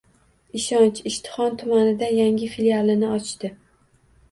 Ishonch Ishtixon tumanida yangi filialini ochdi